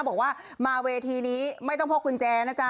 บอกว่ามาเวทีนี้ไม่ต้องพกกุญแจนะจ๊ะ